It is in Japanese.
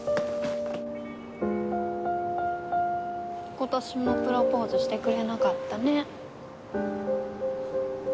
今年もプロポーズしてくれなかったね。